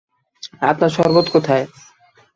আপনার শরবত কোথায়?